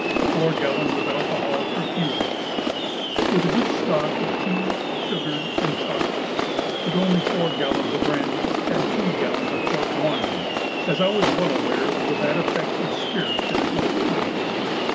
4 gallons of alcohol for fuel; with a good stock of tea, sugar, and chocolate, but only four gallons of brandy and two gallons of port wine, as I was well aware of the bad effects of spirits in a cold climate.